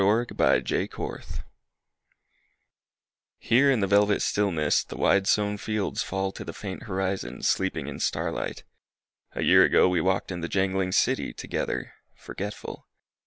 THE INDIA WHARF HERE in the velvet stillness The wide sown fields fall to the faint horizon, Sleeping in starlight. ... A year ago we walked in the jangling city Together .... forgetful.